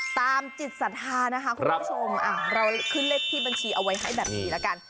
ตามจิตศรัทธานะคะคุณผู้ชมเราขึ้นเลขที่บัญชีเอาไว้ให้แบบนี้ละกัน